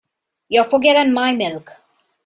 You've forgotten my milk.